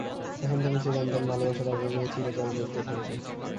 এখন তুমি চিরন্তন ভালোবাসার আগুনে চিরকাল জ্বলতে থাকবে!